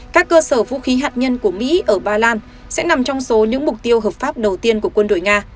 các cơ sở vũ khí hạt nhân của mỹ ở ba lan sẽ nằm trong số những mục tiêu hợp pháp đầu tiên của quân đội nga